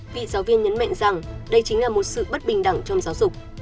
vị giáo viên nhấn mạnh rằng đây chính là một sự bất bình đẳng trong giáo dục